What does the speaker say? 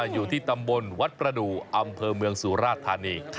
อยู่ที่ตำบลวัดประดูกอำเภอเมืองสุราชธานี